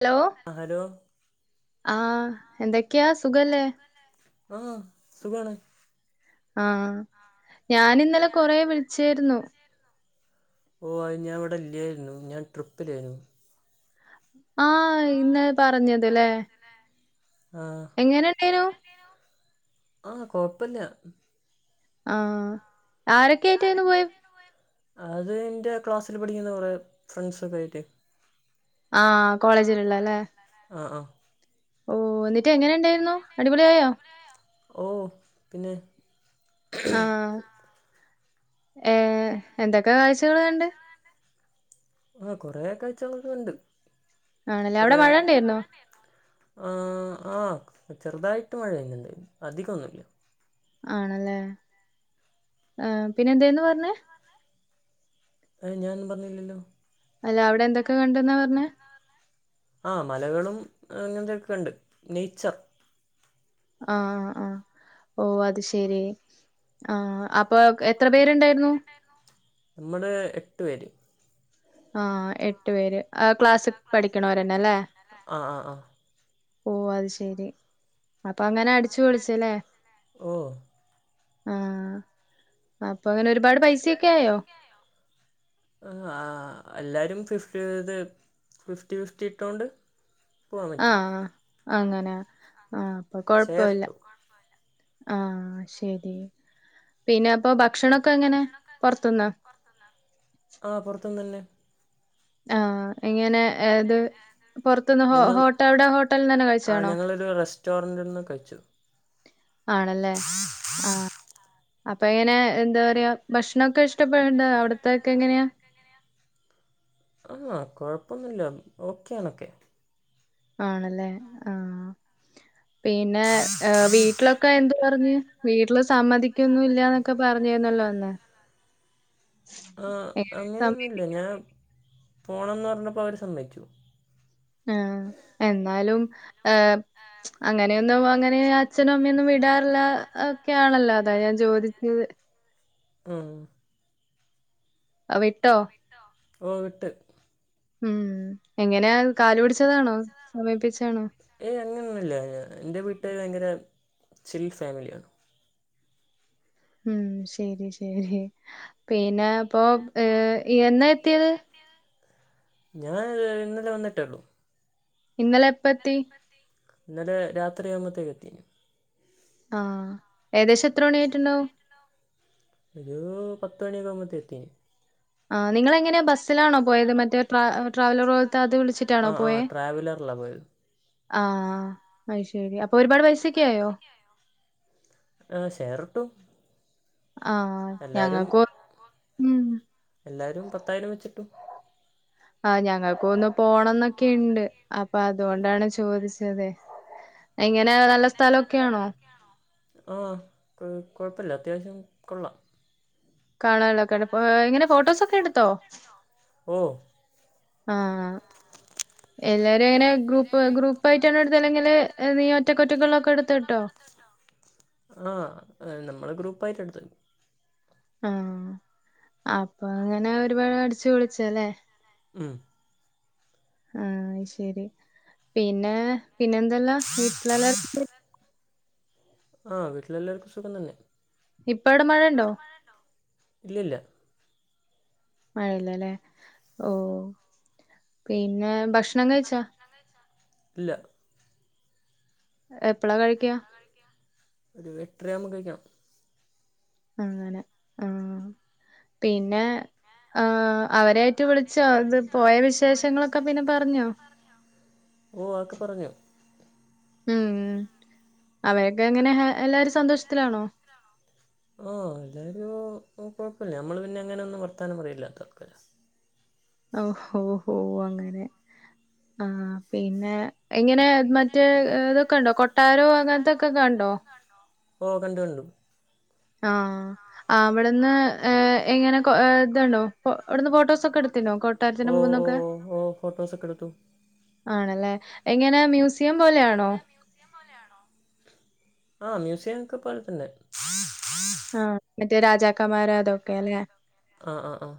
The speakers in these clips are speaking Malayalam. ഹലോ ആ ഹലോ ആഹ് എന്തൊക്കെയാ സുഖല്ലേ ആഹ് സുഖാണ് ആഹ് ഞാനിന്നലെ കൊറേ വിളിച്ചേര്ന്നു ഓഹ് അത് ഞാൻ ഇവിടെ ഇല്ലേരുന്നു ഞാൻ ട്രിപ്പിലായിരുന്നു ആഹ് ഇന്നലെ പറഞ്ഞത് ലെ ആഹ് എങ്ങനെ ഇണ്ടേനു ആഹ് കൊഴപ്പല്ല ആഹ് ആരെക്കെറ്റേന്നു പോയെ അത് ഇന്റെ ക്ലാസ്സില് പഠിക്കുന്ന കൊറെ ഫ്രണ്ട്സൊക്കെ ആയിട്ടെ ആഹ്, കോളേജിൽ ഇണ്ടല്ലേ ആഹ്, ആഹ്. ഓഹ്, എന്നിട്ട് എങ്ങനെ ഇണ്ടായിര്ന്നു അടിപൊളി ആയോ? ഓഹ്, പിന്നെ ആഹ്, ഏഹ് എന്തൊക്കെ കാഴ്ചകള് കണ്ട്? ആഹ്, കൊറേ കാഴ്ചകളൊക്കെ കണ്ട് ആണല്ലേ അവിടെ കൊറേ, നല്ല മഴ ഇണ്ടായിരുന്നോ ഇണ്ടായി ആഹ്, ആഹ് ചെറുതായിട്ട് മഴ പെയ്യ് ന്നൊള്ളു അധികൊന്നുല്ല. ആണല്ലേ, ആഹ് പിന്നെ എന്തേരുന്ന് പറഞ്ഞത്? ആഹ്, ഞനൊന്നും പറഞ്ഞില്ലല്ലോ. അല്ല അവിടെ എന്തൊക്കെ കണ്ട്ന്നാ പറഞ്ഞേ? ആഹ്, മലകളും അങ്ങനത്തേക്ക കണ്ട് നെയ്ച്ചർ. ആഹ്, ആഹ്, ഓഹ് അത് ശരി ആഹ്, അപ്പ് പ്പൊ എത്ര പേരുണ്ടായിരുന്നു? നമ്മള് എട്ട് പേര്. ആഹ്, എട്ടു പേര് ആഹ് ക്ലാസ്സിൽ പഠിക്കണോരന്നെല്ലേ? ആ ആ ആ ഓഹ്, അത് ശരി അപ്പൊ അങ്ങനെ അടിച്ചു പൊളിച്ചല്ലേ. ഓ ആഹ് അപ്പൊ പിന്നെ ഒരുപാട് പൈസ ഒരുപാട് പൈസേക്കായോ? ആഹ്, ആഹ്, ആഹ് എല്ലാരും ഫിഫ്റ്റി ഇത് ഫിഫ്റ്റി ഫിഫ്റ്റി ഇട്ടോണ്ട് പോവാൻ പറ്റി ആഹ്, അങ്ങനെ ആഹ് അപ്പൊ ഷെയർ കൊഴപ്പല്ല. ഇട്ടു ആഹ് ശരി പിന്നെ അപ്പൊ ഭക്ഷണൊക്കെ എങ്ങനെയാ പൊറത്ത്ന്നാ? ആഹ്, പൊറത്തുന്നന്നെ. ആഹ്, ഇങ്ങനെ ഇത് പൊറത്തുന്ന് ഹോ ഹോട്ട അവിടെ ഹോട്ടൽന്നന്നെ കഴിച്ചാണോ? ഒരു റെസ് റ്റോറന്റിൽ നിന്ന് കഴിച്ചു. ആണല്ലേ, ആഹ്. അപ്പൊ എങ്ങനെയാ എന്താ പറയാ ഭക്ഷണൊക്കെ ഇഷ്ടപ്പെട്ടാ അവിടത്തെക്കെ എങ്ങനെയാ? ആഹ്, കൊഴപ്പൊന്നുല്ല ഓക്കെയണൊക്കെ. ആണല്ലേ ആഹ്, പിന്നെ ഏഹ് വീട്ടിലൊക്കെ എന്ത് പറഞ്ഞ്, വീട്ടില് സമ്മതിക്കൊന്നും ഇല്ലാന്നൊക്കെ പറഞ്ഞേരുന്നല്ലോ അന്ന്. ആഹ്, എങ്ങനെ സമ്മതി അങ്ങനെയൊന്നുല്ല ഞാൻ പോണം എന്ന് പറഞ്ഞപ്പോൾ അവര് സമ്മയ്ച്ച്. ആഹ് എന്നാലും ആഹ് അങ്ങനെയൊന്നും അങ്ങനെ അച്ഛനും അമ്മയൊന്നും വിടാറില്ല ഒക്കെയാണല്ലോ അതാ ഞാൻ ചോദിച്ചത്. ആഹ്. അഹ് വിട്ടോ? ഓഹ്, വിട്ട്. ഉം, എങ്ങനെയാ അഹ്? എങ്ങനെയാ അഹ് കാലു പിടിച്ചതാണോ? ഏയ്, അങ്ങനെയൊന്നുല്ല. എൻ്റെ വീട്ടാര് അങ്ങനെ ചിൽ ഫാമിലിയാണ്. ഉം, ശരി, ശരി പിന്നെ അപ്പൊ ഏഹ് എന്നാ എത്തിയത്? ഞാൻ ഇന്നലെ [unintelligible] വന്നിട്ടേള്ളൂ. ഇന്നലെ എപ്പത്തി? ഇന്നലെ രാത്രിയാവുമ്പഴത്തേക്ക് എത്തി. ആഹ് ഏകദേശം എത്ര മണി ആയിട്ടുണ്ടാവും? ഒരു പത്ത് മണിയൊക്കെ ആകുമ്പത്തിന് എത്തിണ് ആഹ്, നിങ്ങളെങ്ങനെയാ ബസ്സിലാണോ പോയത്? മറ്റേ ട്രാവ ട്രാവലറോ അത് ട്രാവലർ പോലത്തെ അത് വിളിച്ചിട്ടാണോ ആ പോയേ ആ ട്രാവലറിലാ പോയത് ആഹ് അത് ശെരി അപ്പൊ ഒരുപാട് പൈസൊക്കെ ആയോ ആഹ് ഷെയർ ഇട്ടു ആഹ് എല്ലാരും ഞങ്ങക്കും ഉം. എല്ലാരും പത്തായിരം വെച്ചിട്ടു ആഹ് ഞങ്ങൾക്ക് ഒന്ന് പോണം ന്നൊക്കെയുണ്ട് അപ്പൊ അതുകൊണ്ടാണ് ചോദിച്ചത് എങ്ങനെ നല്ല സ്ഥലൊക്കെയാണോ ആഹ് ഉം കൊഴപ്പല്ല അത്യാവശ്യം കൊള്ളാം കാണാനുക്കെണ്ട് ഇങ്ങനെ ഫോട്ടോസൊക്കെ എടുത്തോ ഓ ആഹ് എല്ലാരും അങ്ങനെ ഗ്രൂപ്പ് ഗ്രൂപ്പ്‌ ആയിട്ടാണോ എടുത്തെ അല്ലെങ്കില് നീ ഒറ്റക്ക് ഒറ്റക്ക് ഉള്ളെ ഒകെ എടുത്ത് ഇട്ടോ. ആഹ് നമ്മള് ഗ്രൂപ്പായിട്ട് എടുത്ത് ആഹ് അപ്പൊ അങ്ങനെ ഒരുപാട് അടിച്ചു പൊളിച്ചല്ലേ ഉം ആഹ് ശെരി പിന്നെ പിന്നെ എന്തല്ലാ വീട്ടില് എല്ലാർ ആഹ് വീട്ടില് എല്ലാർക്കും സുഖം തന്നെ ഇപ്പ അവിടെ മഴണ്ടോ? ഇല്ല ഇല്ല മഴ ഇല്ലല്ലേ ഓ പിന്നെ ഭക്ഷ ഇല്ല എപ്പളാ വ എപ്പളാ കഴിക്ക ഒരു എട്ടര ആവുമ്പോ കഴിക്കണം അങ്ങനെ ആഹ് പിന്നെ ആഹ് അവരായിട്ട് വിളിച്ചോ ഇത് പോയ വിശേഷങ്ങളൊക്കെ പിന്നെ പറഞ്ഞോ ഓ ഒക്കെ പറഞ്ഞു ഉം അവരെക്കെ എങ്ങനെ ഹ എല്ലാരും സന്തോഷത്തിലാണോ ഓഹ് എല്ലാരും കൊഴപ്പയില്ല നമ്മള് പിന്നെ അങ്ങനെ ഒന്നും വർത്താനം പറയില്ല തർക്കല്ല ഓ ഹോ ഹോ അങ്ങനെ ആഹ് പിന്നെ എങ്ങനെ മറ്റേ ഇതൊക്കെ ഉണ്ടോ കൊട്ടാരോ അങ്ങനത്തൊക്കെ കണ്ടോ ഓഹ് കണ്ടു കണ്ടു ആഹ്. ആഹ് അവ്ട്ന്ന് ആ അവിടുന്ന് ഏഹ് എഹ് കൊ ഏഹ് എങ്ങനെ ഇണ്ടോ ഇതുണ്ടോ ഫോ അവ്ട്ന്ന് ഇവിടുന്ന് ഫോട്ടോസൊക്കെ ഫോട്ടോസ് എടുത്തിനോ ഒക്കെ എടു കൊട്ടാരത്തിന്റെ ഓ ഓ മുമ്പ്ന്നൊക്കെ? ഓ ഓ ഫോട്ടോസ് ഒകെ എടുത്തു ആണല്ലേ എങ്ങനെ മ്യൂസിയം പോലെയാണോ ആഹ് മ്യൂസിയം ഒക്കെ പോലെത്തന്നെ ആഹ് മറ്റെ രാജാ രാജകാൻ മാരെ അതോ ആഹ് ആഹ് ആഹ്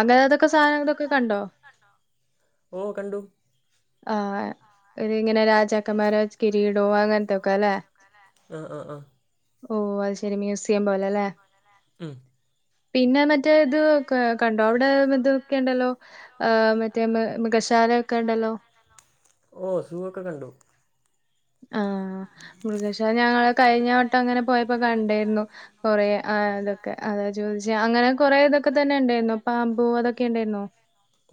അങ്ങനെ [unintelligible] കണ്ടോ ഓഹ് കണ്ടു ആഹ് ഒരു ഇങ്ങനെ രാജാക്കന്മാരെ കിരീടം അങ്ങനത്തൊക്കെല്ലേ ആഹ് ആഹ് ആഹ് ഓ അഹ് ശെരി മ്യൂസിയം പോലെയല്ലേ ഉം പിന്നെ മറ്റേ ഇത് കണ്ടോ അവിടെ ഇതൊക്കെ ഉണ്ടല്ലോ ആഹ് മറ്റേ മ് മൃഗശാലൊക്കെണ്ടല്ലോ ഓഹ് സൂവോക്കെ കണ്ടു ആഹ് മൃഗഷാല ഞങ്ങള് കഴിഞ്ഞ വട്ടം അങ്ങനെ പോയപ്പോ കണ്ടെരുന്നു പോയെ ആഹ് തൊക്കെ അതാ ചോദിചെ അങ്ങനെ കൊറെ ഇതൊക്കെ തന്നെ ണ്ടായിന്നു പാമ്പു അതൊക്കെ ണ്ടായിന്നോ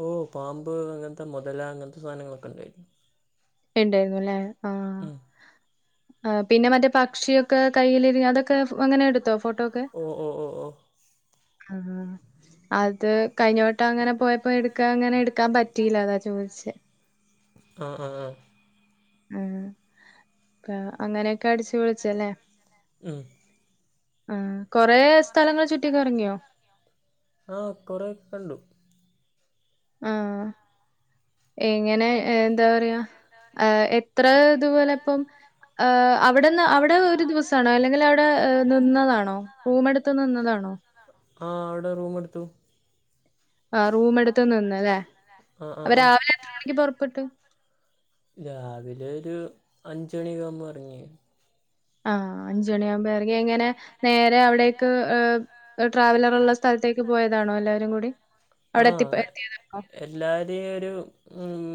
ഓ പാമ്പ് അങ്ങനത്തെ മൊതല അങ്ങൻത്തെ സാധനങ്ങളൊക്കെ ണ്ടായിന്നു ഇണ്ടെയിന്നു ല്ലേ ആഹ് ആഹ് പിന്നെ മറ്റേ പക്ഷിയൊക്കെ കൈയ്യ്ലിരി അതൊക്കെ അങ്ങനെട്ത്തോ ഫോട്ടോ ഒക്കെ ഓ ഓ ഓ ഓ ആഹ് ആഹ് അത് കഴിഞ്ഞവട്ടം അങ്ങനെ പോയപ്പോ എട്ക്കാ അങ്ങനെ എട്ക്കാൻ പറ്റിയില്ല അതാ ചോദിചെ ആഹ് ആഹ് ഉം കാ അങ്ങനെയൊക്കെ അട്ച്ച് അടിച്ച് പഠിച്ച് ലേ ഉം ഉം കൊറെ സ്ഥലങ്ങൾ ചുറ്റി കറങ്ങിയോ ആഹ് കൊറെ കണ്ടു ആഹ് എങ്ങനെ ഏഹ് എന്താ പറയാ ഏ എത്ര ഇതുപോലെ ഇപ്പം ഏ അവിടെന്ന് അവിടെ ഒരു ദിവസം സാണോ അല്ലെങ്കില് അവിടെ നിന്നതാണോ റൂം മെടുത്ത് നിന്നതാണോ ആഹ് ആടെ റൂം ട്ത്തു ആഹ് റൂമെടുത്ത്‌ നിന്ന്ലേ ആഹ് ആഹ് ആഹ് രാവിലെ എത്ര മണിക്ക് പോ [inaudible] രാവിലെ ഒരു അഞ്ച് മണി ഒക്കെ ആവുമ്പോ അറങ്ങി ആഹ് അഞ്ച് മണിയാവുമ്പോ എറങ്ങി എങ്ങനെ നേരെ അവിടേക്ക് ട്രാവലറ്ള്ള സ്ഥലത്തേക്ക് പോയതാണോ എല്ലാവരും കൂടി അവിടെ എത്തി എത്തിയതാണോ എല്ലാരിം ഒരു ഉം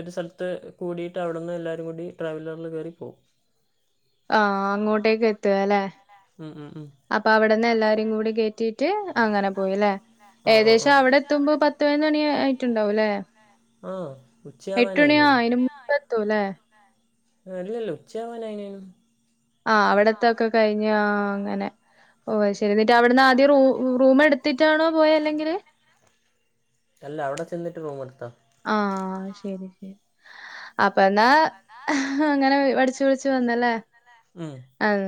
ഒര് സ്ഥലത്ത് കൂടിയിട്ട് അവിടെന്ന് എല്ലാവരും കൂടി ട്രാവലറിൽ കെറി പോകും ആഹ് അങ്ങോട്ടേക്ക് എത്ത്യാ ല്ലെ ഉം ഉം ഉം അപ്പൊ അവിടെന്ന് കൂടി എല്ലാരും കൂട്ടിട്ട് കേറ്റിയിട്ട് പോയി അങ്ങനെ ല്ലേ? പോവുംലേ ഏകദേശം ഏകദേം എത്തുമ്പോ അവിടെ എത്തു മ്പോ പത്ത് പത്തിനൊന്ന് മണി ആയിട്ടുണ്ടാവും ല്ലേ? ആയിടുടവും ലെ ആ ഉച്ചയാവാനായി എട്ട് മണി ആ പ്പ ത്തുലേ ഇല്ല ഇല്ല ഉച്ചയാവാനായിന് ആഹ് അവിടത്തൊക്കെ കഴിഞ് ആ അങ്ങനെ ഓ എന്നിട്ട് അവിടുന്ന് ആദ്യം റൂ റൂംമ്മ് എടുത്തിട്ടാണോ പോയ അല്ലെങ്കില് [unintelligible] അല്ല അവിടെ ചെന്നിട്ട് റൂം മെട്ത്താ ആഹ് ശരി അപ്പ എന്നാ അങ്ങനെ അടിച്ച് പോളിച്ചു വന്നല്ലേ ഉം അത്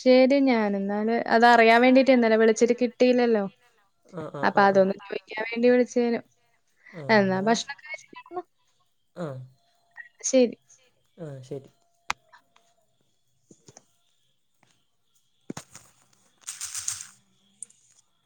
ശരി ഞാൻ ന്നാല് അത് അറിയാൻ വേണ്ടിട്ട് ഇന്നലെ വിളിച്ചിട്ട് കിട്ടിയില്ലല്ലോ ആഹ് ആഹ് ആഹ് ആഹ് അറിയാൻ വേണ്ടി വിളിച്ചേനു എന്നാ ഭക്ഷണം ആഹ് ശരി. ആഹ് ശരി